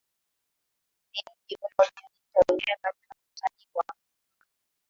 Ni mji unajionesha wenyewe katika mkusanyiko wa mizinga